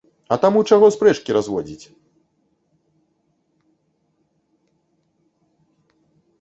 А таму чаго спрэчкі разводзіць?